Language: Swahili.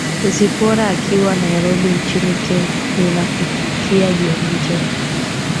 zipporah akiwa nairobi nchini kenya ninakutakia jioni njema